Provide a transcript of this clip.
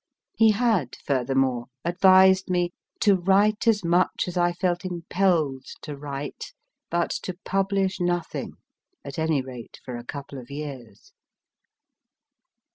He had, furthermore, advised me to write as much as I felt impelled to write, but to publish nothing at any rate, for a coupie of years.